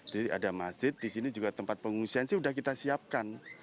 jadi ada masjid di sini juga tempat pengungsian sih udah kita siapkan